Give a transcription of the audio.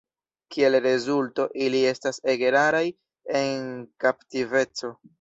Kiel rezulto ili estas ege raraj en kaptiveco.